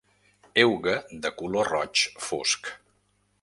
Euga de color roig fosc.